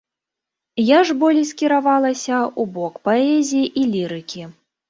Я ж болей скіравалася ў бок паэзіі і лірыкі.